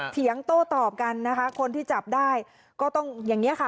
เงยโต้ตอบกันนะคะคนที่จับได้ก็ต้องอย่างนี้ค่ะ